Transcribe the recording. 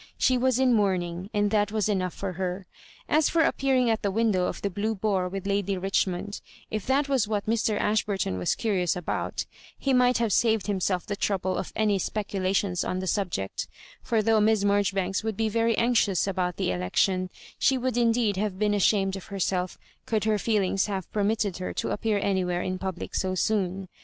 She was in mourning, and that was enough for her. As for appearing at the window of the Blue Boar with Lady Richmond, if that was what Mr. , Ashburton was curious about, he might have saved himself the trouble of any speculations on the subject For though Miss Marjoribanks would be very anxious alx>ut the election, she would indeed have been ashamed of herself could her feelings have permitted her to appear anywhere in public so soon.